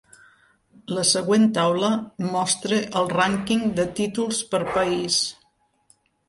La següent taula mostra el Rànquing de títols per país.